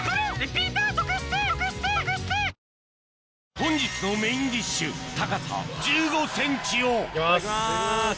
本日のメインディッシュ高さ１５ｃｍをいただきます。